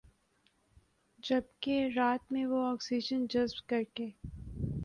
جبکہ رات میں وہ آکسیجن جذب کرکے